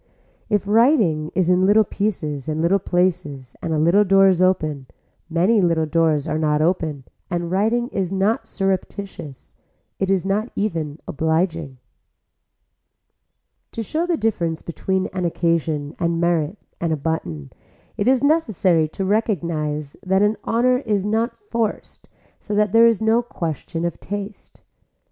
If writing is in little pieces and little places and a little door is open, many little doors are not open and writing is not surreptitious, it is not even obliging. To show the difference between an occasion and merit and a button it is necessary to recognise that an honor is not forced so that there is no question of taste.